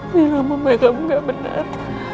bila memegang gak benar